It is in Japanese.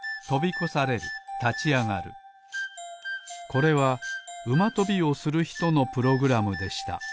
これはうまとびをするひとのプログラムでした。